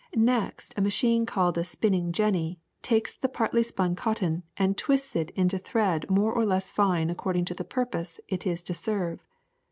Next a machine called ^/ a spinning jenny , takes the partly spun cotton and twists it into thread more or less fine according to the purpose it is to serve.